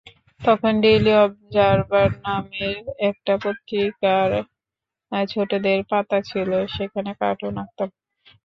তখন Daily Observer নামের একটা পত্রিকায় ছোটদের পাতা ছিল, সেখানে কার্টুন আঁকতাম।